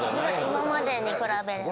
今までに比べれば。